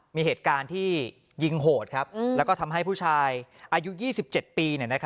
มีเหตุการณ์ที่ยิงโหดแล้วก็ทำให้ผู้ชายอายุ๒๗ปี